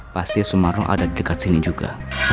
pasti sumarno ada dekat sini juga